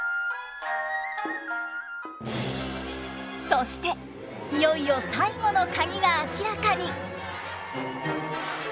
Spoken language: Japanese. そしていよいよ最後のカギが明らかに。